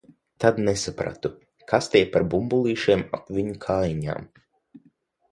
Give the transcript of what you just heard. Tad nesapratu, kas tie par bumbulīšiem ap viņu kājiņām.